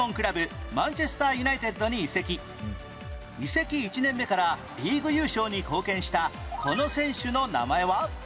移籍１年目からリーグ優勝に貢献したこの選手の名前は？